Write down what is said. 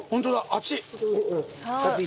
あっちい。